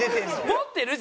持ってる？